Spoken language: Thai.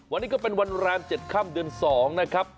วันนี้ก็เป็นวันแรม๗ค่ำเดือน๒นะครับ